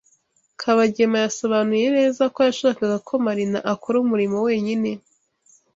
Kabagema yasobanuye neza ko yashakaga ko Marina akora umurimo wenyine.